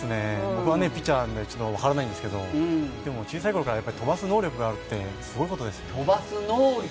僕はピッチャーなので分からないんですけど、でも、小さいころから飛ばす能力があって、すごいことですよ。